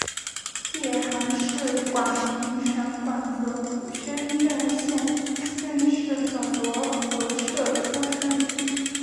谢涵是广平省广泽府宣政县顺示总罗河社出生。